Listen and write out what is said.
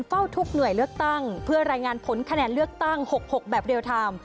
เฝ้าทุกหน่วยเลือกตั้งเพื่อรายงานผลคะแนนเลือกตั้ง๖๖แบบเรียลไทม์